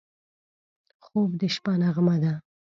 خوب د شپه نغمه ده